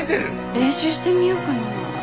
練習してみようかな。